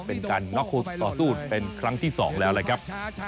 เป็นการน็อกคู่ต่อสู้เป็นครั้งที่๒แล้วนะครับ